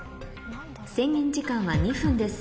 制限時間は２分です